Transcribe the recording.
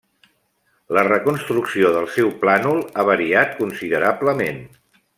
La reconstrucció del seu plànol ha variat considerablement.